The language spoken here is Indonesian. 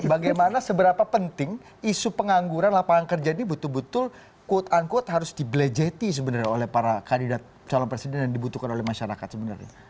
bagaimana seberapa penting isu pengangguran lapangan kerja ini betul betul quote unquote harus dibelejeti sebenarnya oleh para kandidat calon presiden yang dibutuhkan oleh masyarakat sebenarnya